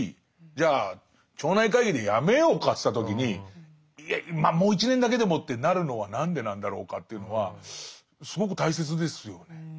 じゃあ町内会議でやめようかっていった時に「まあもう１年だけでも」ってなるのは何でなんだろうかというのはすごく大切ですよね。